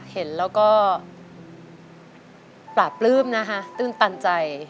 เห็นแล้วก็ปราบปลื้มนะคะตื้นตันใจ